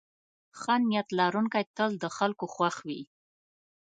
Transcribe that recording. ښه نیت لرونکی تل د خلکو خوښ وي.